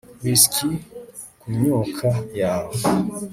whisky kumyuka yawe